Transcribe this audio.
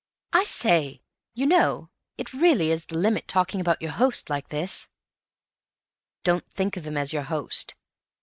"I say, you know, it really is the limit, talking about your host like this." "Don't think of him as your host.